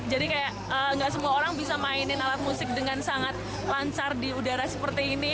jadi kayak nggak semua orang bisa mainin alat musik dengan sangat lancar di udara seperti ini